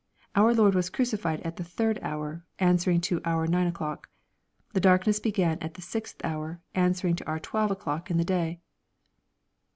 Our Lord was crucified at the third hour, answering to our nine o'clock. The darkness began at the sixth hour, answer ing to our twelve o'clock in the day.